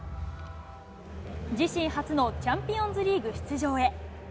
自身初のチャンピオンズリーグ出場へ。